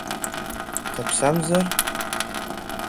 Даԥсамзар?